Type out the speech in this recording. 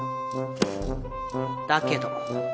だけど。